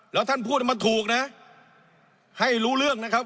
แล้วท่านพูดมาถูกนะให้รู้เรื่องนะครับ